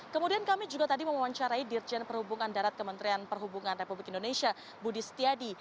kemudian kami juga tadi mewawancarai dirjen perhubungan darat kementerian perhubungan republik indonesia budi setiadi